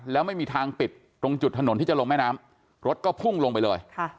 แล้วไม่มีทางปิดตรงจุดถนนที่จะลงแม่น้ำรถก็พุ่งลงไปเลย